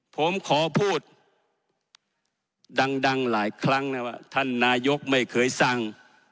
ผมขอพูดดังหลายครั้งนะว่าท่านนายกไม่เคยสั่ง